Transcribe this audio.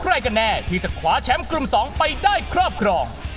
ใครกันแน่ที่จะคว้าแชมป์กลุ่ม๒ไปได้ครอบครอง